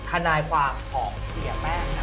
คนายภาคของเสียแป้งนาม